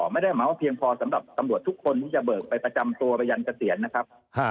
ไม่ได้หมายว่าเพียงพอสำหรับตำรวจทุกคนที่จะเบิกไปประจำตัวไปยันเกษียณนะครับ